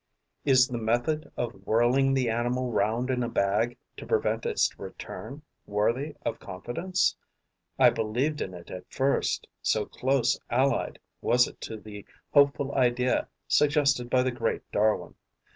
Is the method of whirling the animal round in a bag, to prevent its return, worthy of confidence? I believed in it at first, so close allied was it to the hopeful idea suggested by the great Darwin.